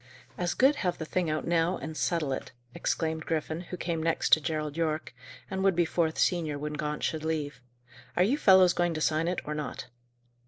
"As good have the thing out now, and settle it," exclaimed Griffin, who came next to Gerald Yorke, and would be fourth senior when Gaunt should leave. "Are you fellows going to sign it, or not?"